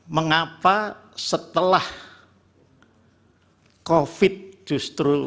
mengapa setelah covid justru